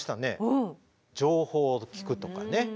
情報を聴くとかね。